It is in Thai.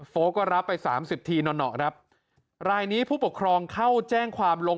ลกก็รับไปสามสิบทีหน่อครับรายนี้ผู้ปกครองเข้าแจ้งความลง